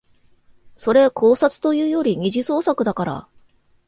それ考察というより二次創作だから